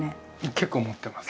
結構持ってます